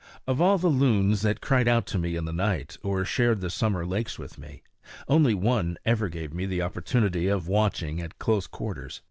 Of all the loons that cried out to me in the night, or shared the summer lakes with me, only one ever gave me the opportunity of watching at close quarters.